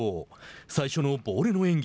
最初のボールの演技